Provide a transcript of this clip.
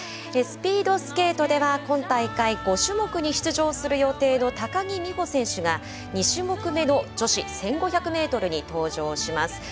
スピードスケートでは今大会５種目に出場する予定の高木美帆選手が２種目めの女子１５００メートルに登場します。